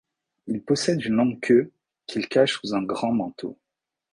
Il possède une longue queue qu'il cache sous un grand manteau.